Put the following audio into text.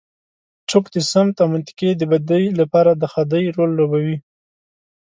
څوک د سمت او منطقې د بدۍ لپاره د خدۍ رول لوبوي.